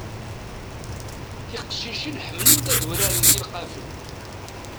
Tiqcicin ḥemmlent ad urarent ilqafen.